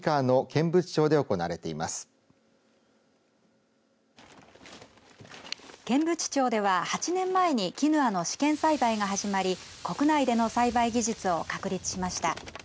剣淵町では８年前にキヌアの試験栽培が始まり国内での栽培技術を確立しました。